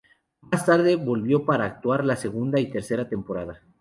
Más tarde volvió para actuar la segunda y tercera temporada.